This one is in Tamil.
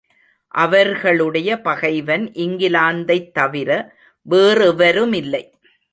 அவர்களுடைய பகைவன் இங்கிலாந்தைத் தவிர வேறெவருமில்லை.